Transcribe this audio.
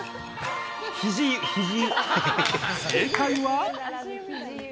正解は。